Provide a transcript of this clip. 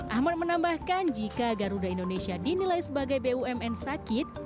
ahmad menambahkan jika garuda indonesia dinilai sebagai bumn sakit